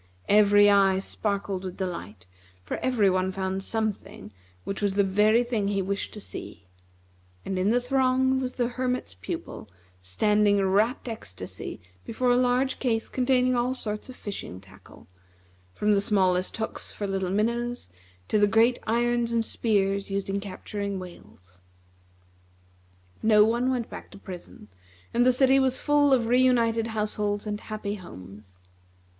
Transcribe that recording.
Every eye sparkled with delight, for every one found something which was the very thing he wished to see; and in the throng was the Hermit's Pupil, standing in rapt ecstasy before a large case containing all sorts of fishing tackle, from the smallest hooks for little minnows to the great irons and spears used in capturing whales. No one went back to prison, and the city was full of re united households and happy homes.